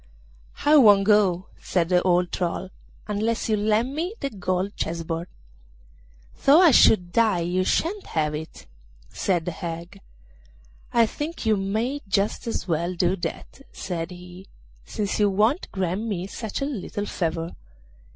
'I won't go,' said the old troll, 'unless you lend me the gold chess board.' 'Though I should die you shan't have that,' said the hag. 'I think you may just as well do that,' said he, 'since you won't grant me such a little favour.